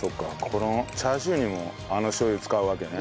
このチャーシューにもあのしょう油使うわけね。